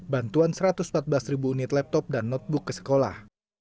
bantuan satu ratus empat belas ribu unit laptop dan notebook ke sekolah